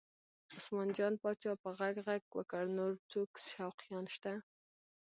عثمان جان پاچا په غږ غږ وکړ نور څوک شوقیان شته؟